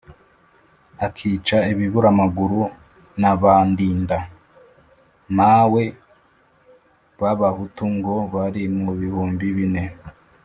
akica ibiburamaguru na ba Ndinda-mawe b'abahutu ngo bari mu bihumbi bine,